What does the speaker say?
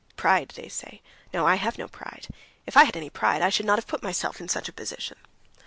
Pride, they say. No, I have no pride. If I had any pride, I should not have put myself in such a position."